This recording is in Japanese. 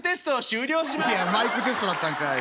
「いやマイクテストだったんかい！